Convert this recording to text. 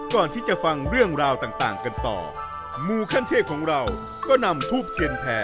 ก่อนที่จะฟังเรื่องราวต่างกันต่อมูขั้นเทพของเราก็นำทูบเทียนแผ่